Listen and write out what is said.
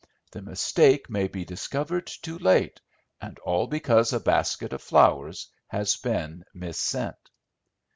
The mistake may be discovered too late, and all because a basket of flowers has been missent."